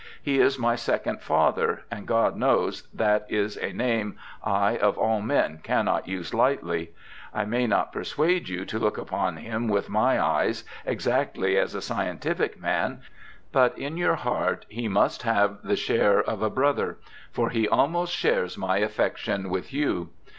He is my second father, and God knows that is a name I of all men cannot use lightly. I may not persuade you to look upon him with my eyes exactly as a scientific man ; but in your heart he must have the share of a brother ; for he almost shares my aflfection with you.